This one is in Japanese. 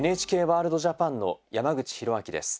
「ＮＨＫワールドＪＡＰＡＮ」の山口寛明です。